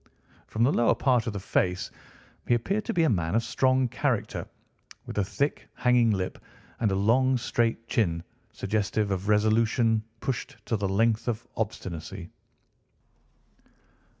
From the lower part of the face he appeared to be a man of strong character, with a thick, hanging lip, and a long, straight chin suggestive of resolution pushed to the length of obstinacy.